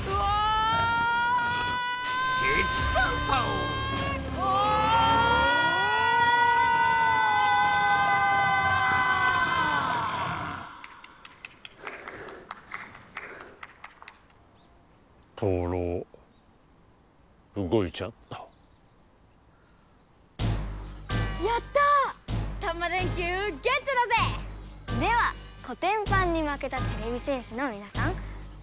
ではこてんぱんにまけたてれび戦士のみなさんごきげんよう。